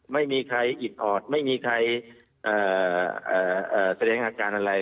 ไม่มีใครอิดออดไม่มีใครแสดงอาการอะไร